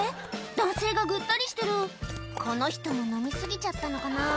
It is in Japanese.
男性がぐったりしてるこの人も飲み過ぎちゃったのかな？